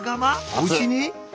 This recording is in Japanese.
おうちに？